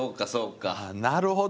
なるほど。